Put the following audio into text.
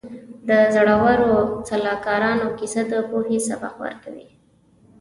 د زړورو سلاکارانو کیسه د پوهې سبق ورکوي.